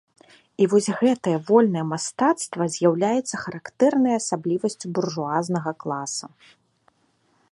І вось гэтае вольнае мастацтва з'яўляецца характэрнай асаблівасцю буржуазнага класа.